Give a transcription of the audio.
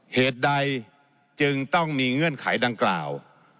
เหตุใดจึงต้องมีเงื่อนไขดังกล่าว